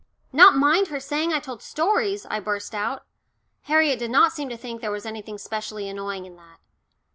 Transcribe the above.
"Not mind her saying I told stories!" I burst out. Harriet did not seem to think there was anything specially annoying in that.